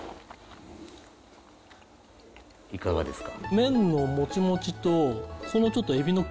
いかがですか？